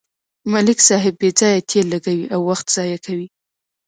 ملک صاحب بې ځایه تېل لګوي او وخت ضایع کوي.